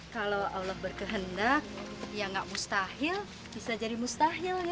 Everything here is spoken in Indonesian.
kalau allah berkehendak ya nggak mustahil bisa jadi mustahil